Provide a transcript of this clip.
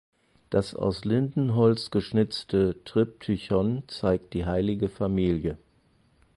Das aus Lindenholz geschnitzte Triptychon zeigt die Heilige Familie.